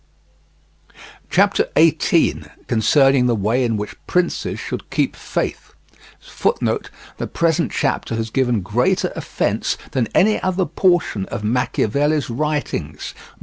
CHAPTER XVIII. CONCERNING THE WAY IN WHICH PRINCES SHOULD KEEP FAITH "The present chapter has given greater offence than any other portion of Machiavelli's writings."